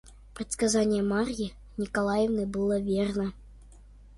Предсказание Марьи Николаевны было верно.